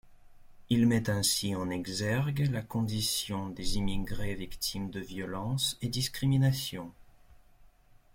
Il met ainsi en exergue la condition des immigrés victimes de violence et discriminations.